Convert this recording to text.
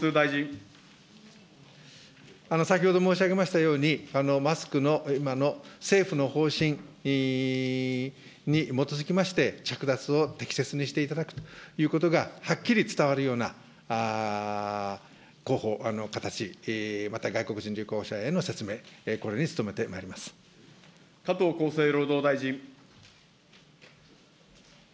先ほど申し上げましたように、マスクの今の政府の方針に基づきまして、着脱を適切にしていただくということがはっきり伝わるような広報、形、また外国人旅行者への説明、加藤厚生労働大臣。